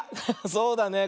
そうだね。